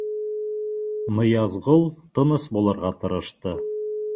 — Ныязғол тыныс булырға тырышты.